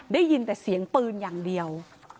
ได้ยินแต่เสียงปืนอย่างเดียว